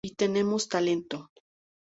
Y tenemos talento.